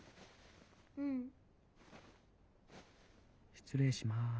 失礼します。